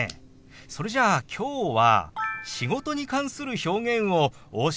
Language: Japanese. それじゃあきょうは「仕事」に関する表現をお教えしましょう。